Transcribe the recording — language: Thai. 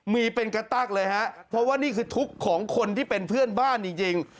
มีเป็นกระตั๊กเลยฮะเพราะว่านี่คือทุกข์ของคนที่เป็นเพื่อนบ้านจริง